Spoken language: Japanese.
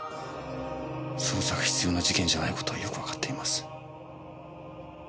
捜査が必要な事件じゃない事はよくわかっています。